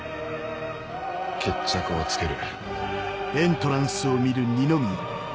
決着をつける。